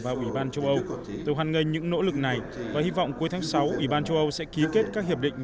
và ủy ban châu âu tôi hoan nghênh những nỗ lực này và hy vọng cuối tháng sáu ủy ban châu âu sẽ ký kết các hiệp định